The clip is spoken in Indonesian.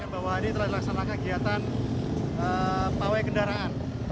bahwa hari ini telah dilaksanakan kegiatan pawai kendaraan